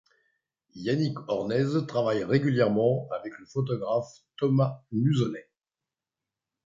Yannick Hornez travaille régulièrement avec le photographe Thomas Muselet.